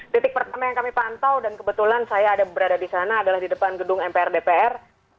titik pertama yang kami pantau dan kebetulan saya ada berada di sana adalah di depan gedung mpr dpr